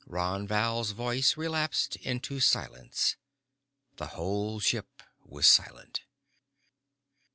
Ron Val's voice relapsed into silence. The whole ship was silent.